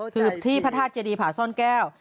คือที่พระธาตุเจดีผาซ่อนแก้ว